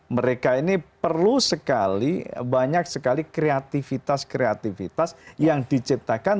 mereka ini perlu sekali banyak sekali kreativitas kreativitas yang diciptakan